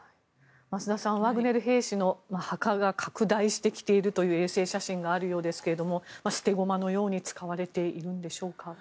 増田さんワグネル兵士の墓が拡大してきているという衛星写真があるようですが捨て駒のように使われているんでしょうか。